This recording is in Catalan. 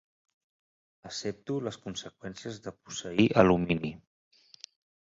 Accepto les conseqüències de posseir alumini.